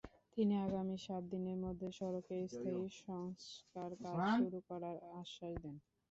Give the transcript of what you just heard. তিনি আগামী সাত দিনের মধ্যে সড়কে স্থায়ী সংস্কারকাজ শুরু করার আশ্বাস দেন।